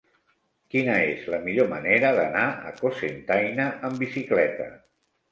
Quina és la millor manera d'anar a Cocentaina amb bicicleta?